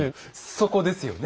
そこですよね。